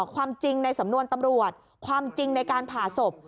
ความจริงในสำนวนตำรวจความจริงในการผ่าศพ